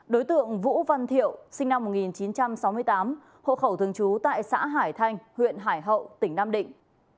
đối tượng vũ văn thiệu sinh năm một nghìn chín trăm sáu mươi ba hộ khẩu thường trú tại năm mươi một hùng vương phường vị hoàng thành phố nam định tỉnh nam định